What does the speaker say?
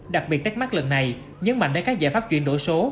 đặc biệt techmark lần này nhấn mạnh đến các giải pháp chuyển đổi số